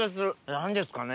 何ですかね